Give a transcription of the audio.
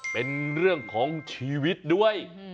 เป็นเรื่องของชีวิตด้วย